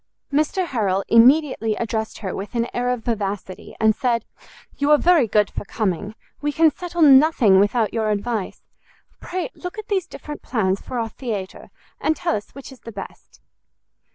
Mr Harrel immediately addressed her with an air of vivacity, and said, "You are very good for coming; we can settle nothing without your advice: pray look at these different plans for our theatre, and tell us which is the best."